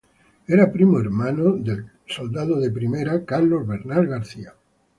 Era primo hermano del general de ingenieros Carlos Bernal García.